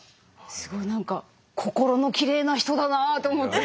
すごい何か心のきれいな人だなあと思って。